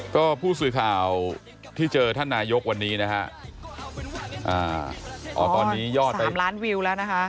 ก็ผู้สวยข่าวที่เจอท่านนายกวันนี้นะคะตอนนี้ยอด๓ล้านวิวแล้วนะคะ